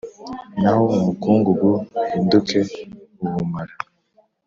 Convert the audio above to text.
naho umukungugu uhinduke ubumara.